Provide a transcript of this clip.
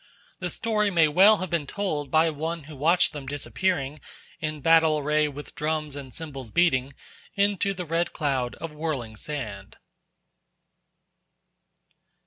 The story may well have been told by one who watched them disappearing, in battle array, with drums and cymbals beating, into the red cloud of whirling sand.